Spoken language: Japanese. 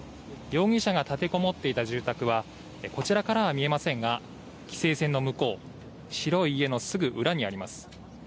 容疑者が立てこもっていた住宅はこちらからは見えませんが規制線の向こう、白い家のすぐ裏にあります。